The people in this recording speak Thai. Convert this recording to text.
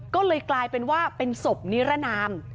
ก็เลยกลายเป็นว่าเป็นศพนิรนาม